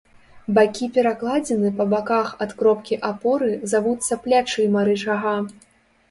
Бакі перакладзіны па баках ад кропкі апоры завуцца плячыма рычага.